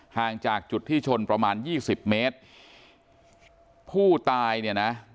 ห่างจากจุดที่ชนประมาณยี่สิบเมตรผู้ตายเนี่ยนะ